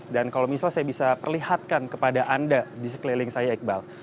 dan kalau misalnya saya bisa perlihatkan kepada anda di sekeliling saya iqbal